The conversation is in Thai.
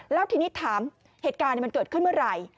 แล้วทีนี้ถามเหตุการณ์มันเกิดขึ้นเมื่อไหร่